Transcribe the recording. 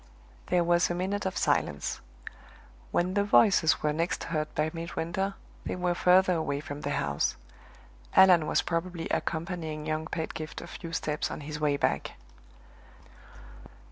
There was a minute of silence. When the voices were next heard by Midwinter, they were further away from the house Allan was probably accompanying young Pedgift a few steps on his way back.